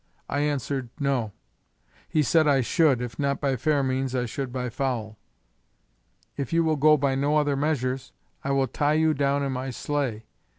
I answered, No. He said I should, if not by fair means I should by foul. If you will go by no other measures, I will tie you down in my sleigh.